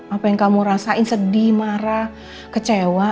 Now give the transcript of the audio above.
apa yang kamu rasain sedih marah kecewa